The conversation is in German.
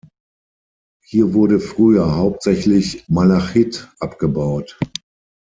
Hier wurde früher hauptsächlich Malachit abgebaut.